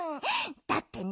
だってね